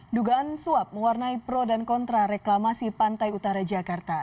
dugaan suap mewarnai pro dan kontra reklamasi pantai utara jakarta